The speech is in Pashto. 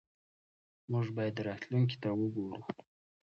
موږ باید راتلونکي ته وګورو.